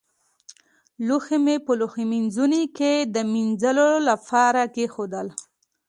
لوښي مې په لوښمینځوني کې د مينځلو لپاره کېښودل.